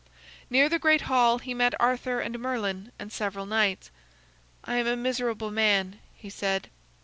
Near the great hall he met Arthur and Merlin and several knights. "I am a miserable man," he said.